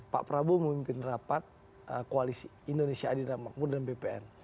pak prabowo memimpin rapat koalisi indonesia adil dan makmur dan bpn